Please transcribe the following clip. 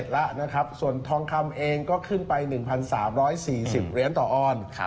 แล้วนะครับส่วนทองคำเองก็ขึ้นไป๑๓๔๐เหรียญต่อออน